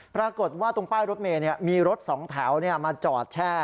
ปรากฏว่าตรงตะว่าลดเมล์มีรถ๒แถวมาจอดแค่